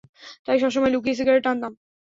তাই, সবসময় লুকিয়ে সিগারেট টানতাম!